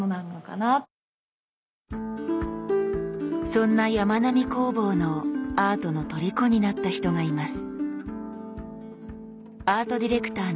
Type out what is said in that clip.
そんなやまなみ工房のアートのとりこになった人がいます。